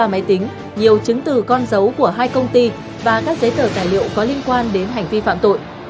ba máy tính nhiều chứng từ con dấu của hai công ty và các giấy tờ tài liệu có liên quan đến hành vi phạm tội